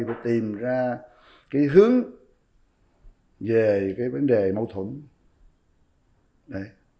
phải tìm ra cái hướng về cái vấn đề mâu thuẫn